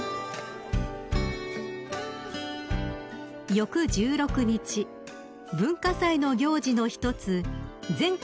［翌１６日文化祭の行事の一つ全国